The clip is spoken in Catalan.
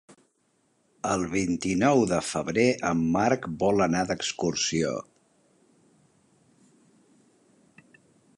El vint-i-nou de febrer en Marc vol anar d'excursió.